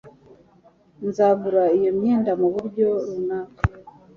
nzagura iyo myenda muburyo runaka